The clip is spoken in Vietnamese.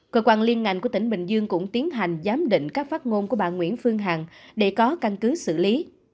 cơ quan liên ngành của tỉnh bình dương cũng tiến hành giám định các phát ngôn của bà nguyễn phương hằng để có căn cứ xử lý